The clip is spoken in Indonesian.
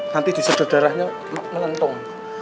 nanti disedot darahnya melentung